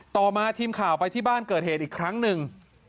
ต่อมาทีมข่าวไปที่บ้านเกิดเหตุอีกครั้งหนึ่ง